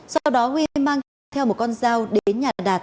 sau đó huy mang theo một con dao đến nhà đạt